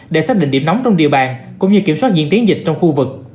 để xác định điểm nóng trong địa bàn cũng như kiểm soát diễn tiến dịch trong khu vực